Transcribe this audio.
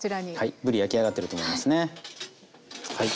ぶり焼き上がってると思いますね。